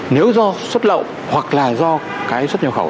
nếu do xuất lậu hoặc là do cái xuất nhập khẩu